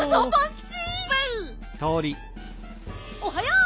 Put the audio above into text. おはよう！